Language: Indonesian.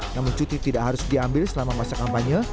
namun cuti tidak harus diambil selama masa kampanye